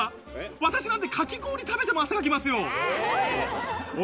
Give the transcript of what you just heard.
私なんて、かき氷食べても汗かきますよ。